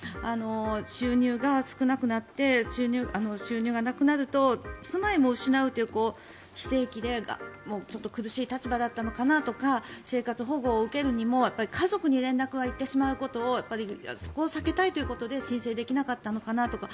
収入が少なくなって収入がなくなると住まいも失うという非正規で苦しい立場だったのかなとか生活保護を受けるにも家族に連絡が行ってしまうことをそこを避けたいということで申請できなかったのかなという。